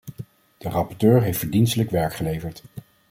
De rapporteur heeft verdienstelijk werk geleverd.